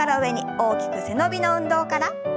大きく背伸びの運動から。